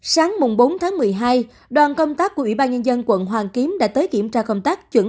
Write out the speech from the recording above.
sáng bốn tháng một mươi hai đoàn công tác của ủy ban nhân dân quận hoàn kiếm đã tới kiểm tra công tác chuẩn